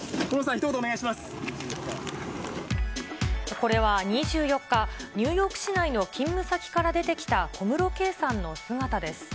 これは２４日、ニューヨーク市内の勤務先から出てきた小室圭さんの姿です。